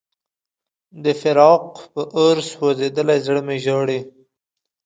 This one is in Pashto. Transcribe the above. د فراق په اور سوځېدلی زړه مې ژاړي.